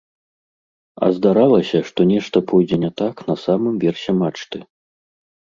А здаралася, што нешта пойдзе не так на самым версе мачты.